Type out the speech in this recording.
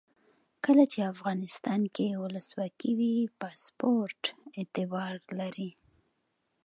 کله چې افغانستان کې ولسواکي وي پاسپورټ اعتبار لري.